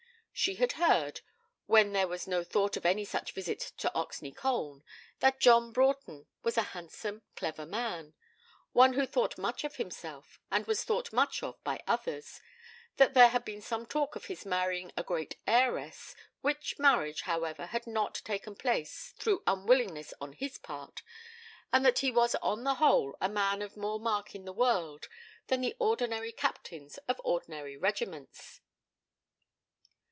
She had heard, when there was no thought of any such visit to Oxney Colne, that John Broughton was a handsome clever man one who thought much of himself and was thought much of by others that there had been some talk of his marrying a great heiress, which marriage, however had not taken place through unwillingness on his part, and that he was on the whole a man of more mark in the world than the ordinary captains of ordinary regiments.